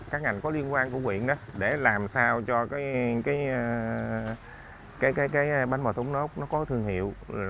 các ngành có liên quan của quyện đó để làm sao cho cái bánh bò thốt nốt nó có thương hiệu